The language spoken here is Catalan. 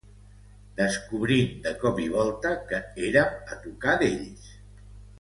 Descobrint de cop i volta que érem a tocar d'ells